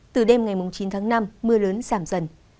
từ đêm ngày chín tháng năm mưa lớn giảm dần